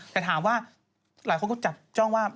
แต่ถามว่าหลายคนก็จับจ้องว่า